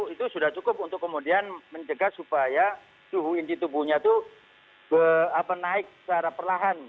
itu sudah cukup untuk kemudian mencegah supaya suhu inti tubuhnya itu naik secara perlahan